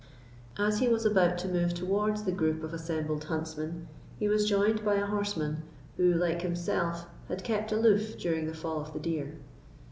As he was about to move towards the group of assembled huntsmen, he was joined by a horseman, who, like himself, had kept aloof during the fall of the deer.